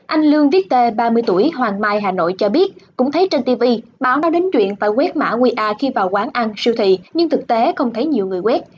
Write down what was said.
anh lương viết tê ba mươi tuổi hoàng mai hà nội cho biết cũng thấy trên tv báo nói đến chuyện phải quét mã qr khi vào quán ăn siêu thị nhưng thực tế không thấy nhiều người quét